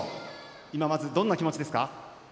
今、まずどんな気持ちですか。